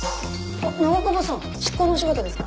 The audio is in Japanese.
あっ長窪さん！執行のお仕事ですか？